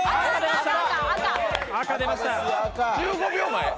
１５秒前。